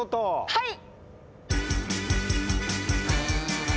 はい！